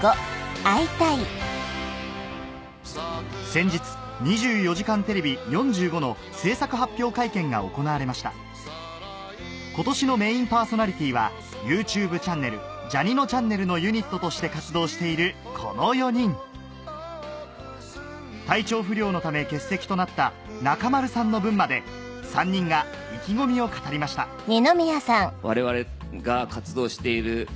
先日『２４時間テレビ４５』の制作発表会見が行われました今年のメインパーソナリティーはＹｏｕＴｕｂｅチャンネル「ジャにのちゃんねる」のユニットとして活動しているこの４人体調不良のため欠席となった中丸さんの分まで３人が意気込みを語りましたはい。